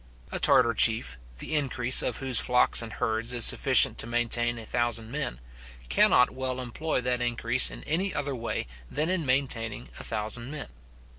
A Tartar chief, the increase of whose flocks and herds is sufficient to maintain a thousand men, cannot well employ that increase in any other way than in maintaining a thousand men.